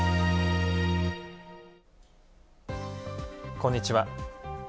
こんにちは。